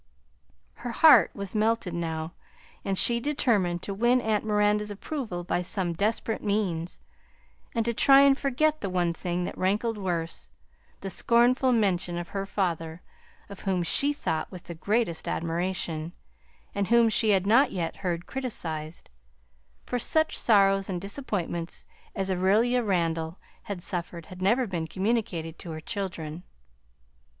Her heart was melted now, and she determined to win aunt Miranda's approval by some desperate means, and to try and forget the one thing that rankled worst, the scornful mention of her father, of whom she thought with the greatest admiration, and whom she had not yet heard criticised; for such sorrows and disappointments as Aurelia Randall had suffered had never been communicated to her children.